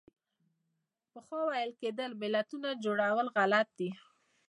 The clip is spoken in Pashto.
پخوا ویل کېدل ملتونو جوړول غلط دي.